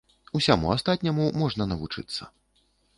Усяму астатняму можна навучыцца.